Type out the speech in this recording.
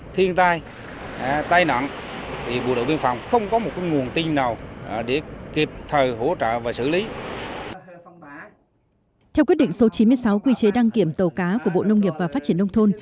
theo quyết định số chín mươi sáu quy chế đăng kiểm tàu cá của bộ nông nghiệp và phát triển nông thôn